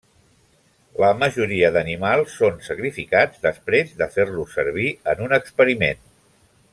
La majoria d'animals són sacrificats després de fer-los servir en un experiment.